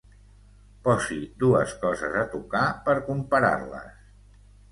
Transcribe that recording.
Posi dues coses a tocar per comparar-les.